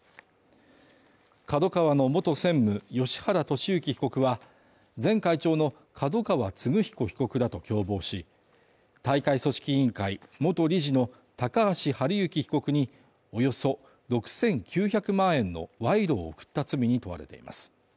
ＫＡＤＯＫＡＷＡの元専務芳原世幸被告は、前会長の角川歴彦被告らと共謀し、大会組織委員会元理事の高橋治之被告におよそ６９００万円の賄賂を贈った罪に問われています。